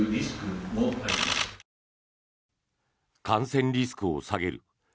感染リスクを下げる